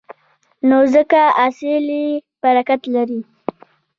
نو ځکه حاصل یې برکت لري.